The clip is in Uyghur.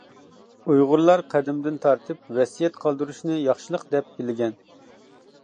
ئۇيغۇرلار قەدىمدىن تارتىپ ۋەسىيەت قالدۇرۇشنى ياخشىلىق دەپ بىلگەن.